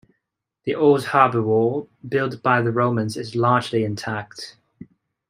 The old harbour wall, built by the Romans is largely intact.